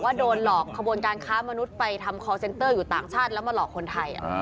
โดนหลอกขบวนการค้ามนุษย์ไปทำคอร์เซ็นเตอร์อยู่ต่างชาติแล้วมาหลอกคนไทย